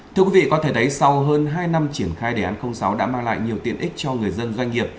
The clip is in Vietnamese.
thưa quý vị có thể thấy sau hơn hai năm triển khai đề án sáu đã mang lại nhiều tiện ích cho người dân doanh nghiệp